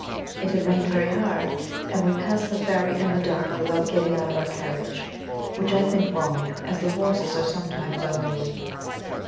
It had rained very hard, and we passed the ferry in the dark without getting out of our carriage, which I think wrong, as the horses are sometimes unruly.